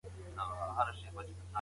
د احمد شاه بابا مقبره څنګه جوړه سوې ده؟